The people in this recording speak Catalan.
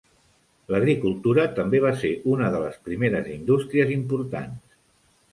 L'agricultura també va ser una de les primeres indústries importants.